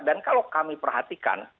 dan kalau kami perhatikan